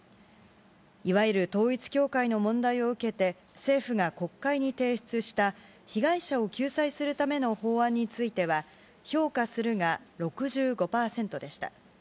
いわゆる統一教会の問題を受けて、政府が国会に提出した被害者を救済するための法案については、評価するが６５％でした。